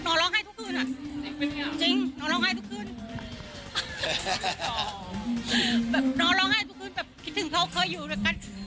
ร้องไห้ทุกคืนอ่ะจริงนอนร้องไห้ทุกคืนแบบนอนร้องไห้ทุกคืนแบบคิดถึงเขาเคยอยู่ด้วยกัน